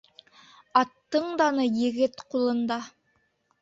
Аттың даны егет ҡулында.